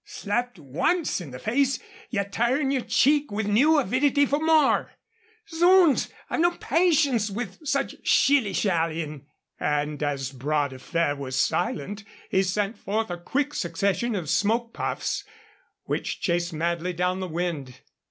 Slapped once in the face, ye turn your cheek with new avidity for more. Zoons! I've no patience with such shilly shallyin'." And, as Bras de Fer was silent, he sent forth a quick succession of smoke puffs which chased madly down the wind.